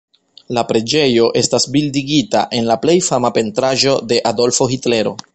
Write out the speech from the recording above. La preĝejo estas bildigita en la plej fama pentraĵo de Adolfo Hitlero.